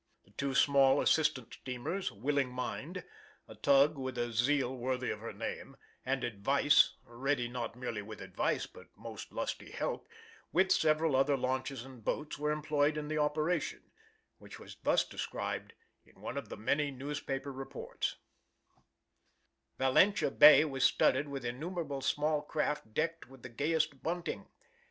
The two small assistant steamers Willing Mind, a tug with a zeal worthy of her name, and Advice, ready not merely with advice but most lusty help with several other launches and boats, were employed in the operation, which was thus described in one of the many newspaper reports: "Valentia Bay was studded with innumerable small craft decked with the gayest bunting.